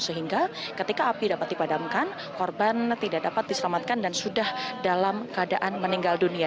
sehingga ketika api dapat dipadamkan korban tidak dapat diselamatkan dan sudah dalam keadaan meninggal dunia